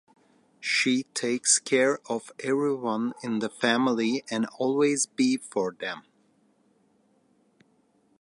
She takes care of everyone in the family and always be for them.